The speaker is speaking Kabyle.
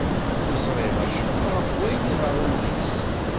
Ur teẓri acemma ɣef wayen iḍerrun deg-s.